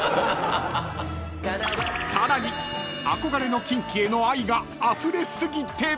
［さらに憧れのキンキへの愛があふれ過ぎて］